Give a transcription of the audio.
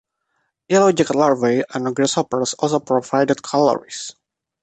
Yellowjacket larvae and grasshoppers also provided calories.